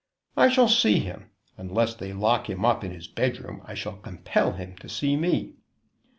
I shall see him. Unless they lock him up in his bedroom I shall compel him to see me."